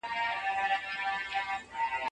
تاسو باید په خپلو پرېکړو کې له عقل څخه کار واخلئ.